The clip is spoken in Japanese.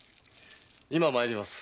今参ります。